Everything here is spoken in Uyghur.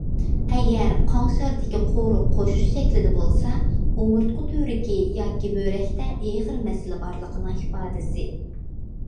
ئەگەر قاڭشاردىكى قورۇق قوشۇش شەكلىدە بولسا، ئومۇرتقا تۈۋرۈكى ياكى بۆرەكتە ئېغىر مەسىلە بارلىقىنىڭ ئىپادىسى.